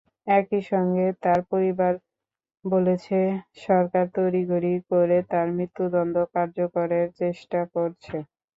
একইসঙ্গে তার পরিবার বলেছে, সরকার তড়িঘড়ি করে তাঁর মৃত্যুদণ্ড কার্যকরের চেষ্টা করছে।